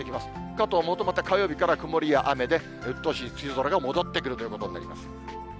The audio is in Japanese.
かと思うと、また火曜日から、曇りや雨で、うっとおしい梅雨空が戻ってくるということになります。